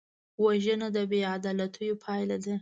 وژنه د بېعدالتیو پایله ده